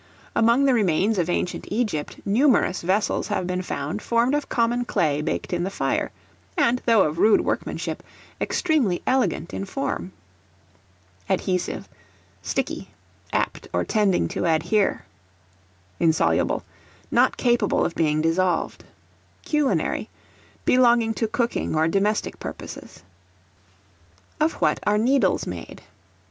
Among the remains of ancient Egypt, numerous vessels have been found formed of common clay baked in the fire; and, though of rude workmanship, extremely elegant in form. Adhesive, sticky; apt or tending to adhere. Insoluble, not capable of being dissolved. Culinary, belonging to cooking or domestic purposes. Of what are Needles made?